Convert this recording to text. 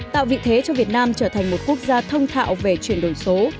tạo vị thế cho việt nam trở thành một quốc gia thông thạo về chuyển đổi số